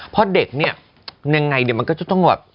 เพราะเด็กเนี่ยยังไงเนี่ยมันก็จะต้องแบบ